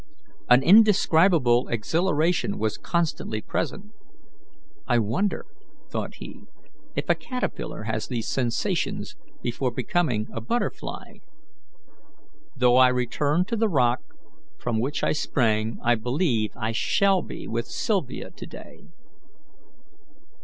An indescribable exhilaration was constantly present. "I wonder," thought he, "if a caterpillar has these sensations before becoming a butterfly? Though I return to the rock from which I sprang, I believe I shall be with Sylvia to day."